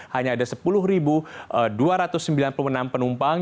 hanya ada sepuluh dua ratus sembilan puluh enam penumpang